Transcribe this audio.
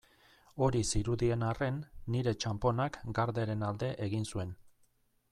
Hori zirudien arren, nire txanponak Garderen alde egin zuen.